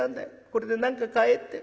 『これで何か買え』って。